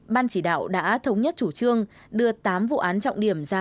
ban chỉ đạo đã thống nhất chủ trương đưa tám vụ án trọng điểm ra